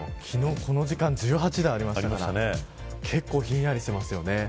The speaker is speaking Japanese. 昨日この時間は１８度ありましたから結構ひんやりしていますよね。